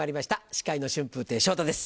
司会の春風亭昇太です